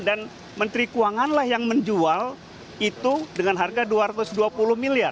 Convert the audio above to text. dan menteri keuangan lah yang menjual itu dengan harga dua ratus dua puluh miliar